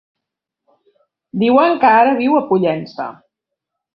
Diuen que ara viu a Pollença.